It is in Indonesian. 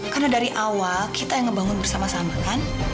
karena dari awal kita yang ngebangun bersama sama kan